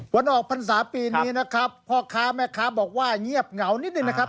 วันออกพรรษาปีนี้นะครับพ่อค้าแม่ค้าบอกว่าเงียบเหงานิดนึงนะครับ